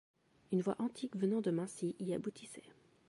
Une voie antique venant de Maincy y aboutissait.